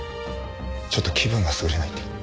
ちょっと気分が優れないんで。